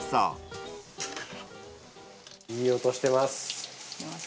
いい音してます。